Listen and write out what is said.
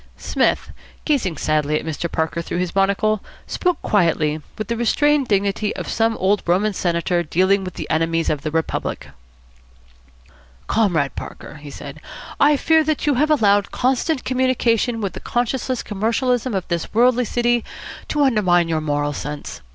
Psmith, gazing sadly at Mr. Parker through his monocle, spoke quietly, with the restrained dignity of some old Roman senator dealing with the enemies of the Republic. "Comrade Parker," he said, "I fear that you have allowed constant communication with the conscienceless commercialism of this worldly city to undermine your moral sense.